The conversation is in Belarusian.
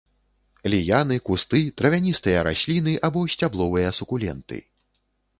Ліяны, кусты, травяністыя расліны або сцябловыя сукуленты.